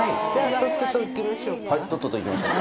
とっとといきましょう。